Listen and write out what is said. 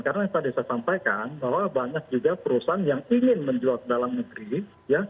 karena tadi saya sampaikan bahwa banyak juga perusahaan yang ingin menjual dalam negeri ya